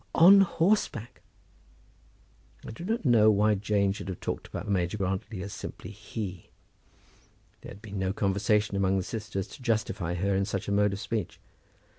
on horseback." I do not know why Jane should have talked about Major Grantly as simply "he." There had been no conversation among the sisters to justify her in such a mode of speech.